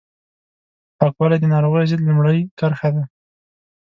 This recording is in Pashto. پاکوالی د ناروغیو ضد لومړۍ کرښه ده